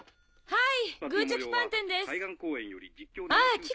はい。